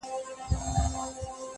o چي مشر ئې ساوڼ وي لښکر ئې گوزاوڼ وي!